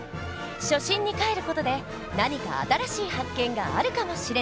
初心にかえる事で何か新しい発見があるかもしれない！